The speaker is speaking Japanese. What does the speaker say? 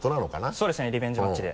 そうですねリベンジマッチで。